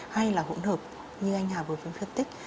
hay là hỗn hợp như anh hà vừa phân tích